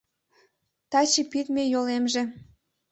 Таче пидме йолемже